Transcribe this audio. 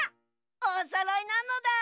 おそろいなのだ。